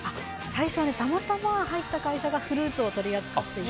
最初はたまたま入った会社がフルーツを取り扱っていて。